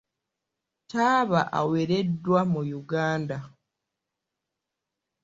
Taaba awereddwa mu Uganda.